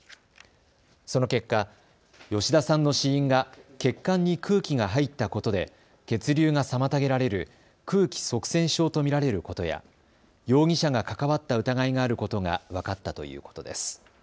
その結果、吉田さんの死因が血管に空気が入ったことで血流が妨げられる空気塞栓症と見られることや容疑者が関わった疑いがあることが分かったということです。